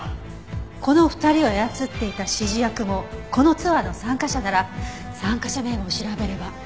この２人を操っていた指示役もこのツアーの参加者なら参加者名簿を調べれば。